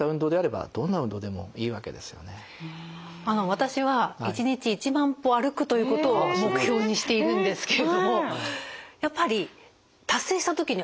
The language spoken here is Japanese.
私は一日１万歩歩くということを目標にしているんですけれどもやっぱり達成した時にうれしいんですよね。